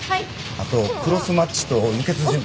あとクロスマッチと輸血準備。